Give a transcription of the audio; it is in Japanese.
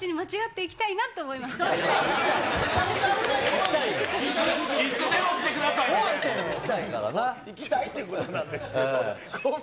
行きたいっていうことなんですね。